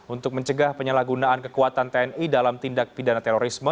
untuk mencegah penyalahgunaan kekuatan tni dalam tindak pidana terorisme